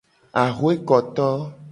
Axwekoto.